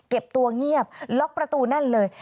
เก็บตัวเงียบล็อกประตูแน่นเลย